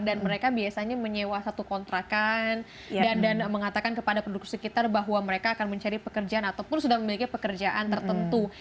dan mereka biasanya menyewa satu kontrakan dan mengatakan kepada penduduk sekitar bahwa mereka akan mencari pekerjaan ataupun sudah memiliki pekerjaan tertentu